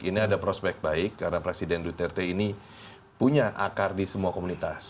ini ada prospek baik karena presiden duterte ini punya akar di semua komunitas